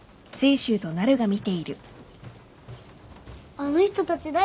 あの人たち誰？